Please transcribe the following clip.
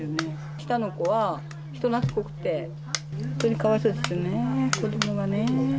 下の子は人なつっこくて、本当にかわいそうですよね、子どもがね。